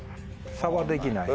差はできない。